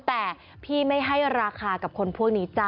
แต่พี่ไม่ให้ราคากับคนพวกนี้จ้